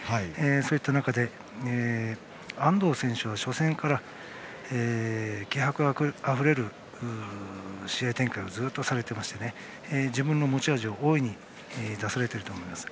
そういった中で安藤選手が初戦から気迫あふれる試合展開をずっとされていて自分の持ち味を大いに出されていると思います。